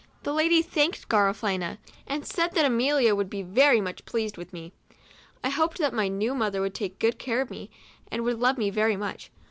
The lady thanked Garafelina, and said that Amelia would' be very much pleased with me. I hoped that my new mother would take good care of me, and love me very much.